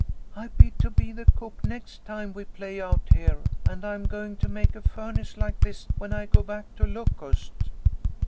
"I bid to be the cook next time we play out here, and I'm going to make a furnace like this when I go back to Locust."